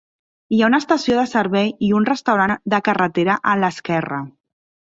Hi ha una estació de servei i un restaurant de carretera a l'esquerra.